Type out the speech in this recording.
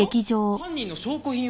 犯人の証拠品を？